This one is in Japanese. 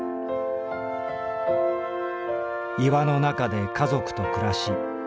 「岩のなかで家族と暮らし